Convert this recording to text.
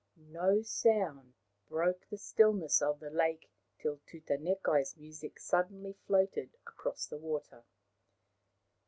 No sound broke the stillness of the lake till Tutanekai's music suddenly floated across the water.